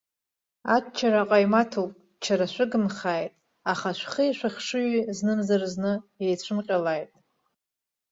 Аччара ҟаимаҭуп, ччара шәыгымхааит, аха шәхи шәыхшыҩи знымзар-зны еицәымҟьалааит.